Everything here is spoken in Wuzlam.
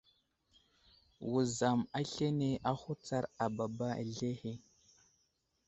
Wuzam aslane ahutsar baba azlehe.